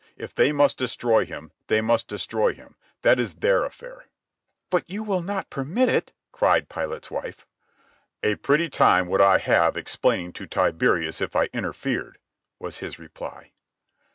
If they must destroy him, they must destroy him. That is their affair." "But you will not permit it," cried Pilate's wife. "A pretty time would I have explaining to Tiberius if I interfered," was his reply.